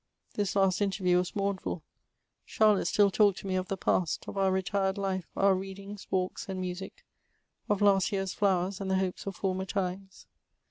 This last interview was moum^« Charlotte still talked to me of the past, of our retired life, our readings, walks, and music; of last year's flowers, and the hopes of former times.